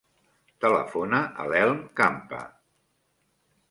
Telefona a l'Elm Campa.